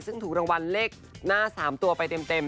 ซึ่งถูกรางวัลเลขหน้า๓ตัวไปเต็ม